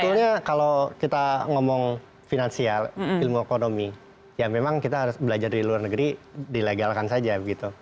sebetulnya kalau kita ngomong finansial ilmu ekonomi ya memang kita harus belajar dari luar negeri dilegalkan saja gitu